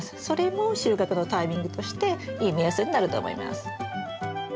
それも収穫のタイミングとしていい目安になると思います。